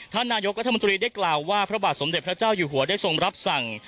ท่านนายกรัฐมนตรีได้กล่าวว่าพระบาทสมเด็จพระเจ้าอยู่หัวได้ทรงรับสั่ง